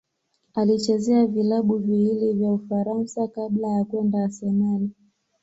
Alichezea vilabu viwili vya Ufaransa kabla ya kwenda Arsenal.